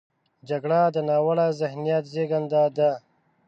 جګړه د ناوړه ذهنیت زیږنده ده